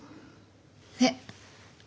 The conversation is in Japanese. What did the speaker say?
えっ。